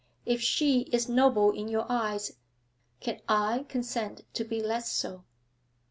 If she is noble in your eyes, can I consent to be less so?'